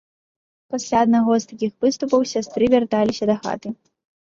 Пасля аднаго з такіх выступаў сястры вярталіся дахаты.